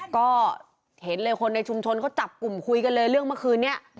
ก็เห็นเลยคนในชุมชนเขาจับกลุ่มคุยกันเลยเรื่องเมื่อคืนนี้